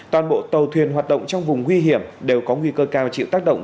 toàn bộ tàu thuyền hoạt động trong vùng nguy hiểm đều có nguy cơ cao chịu tác động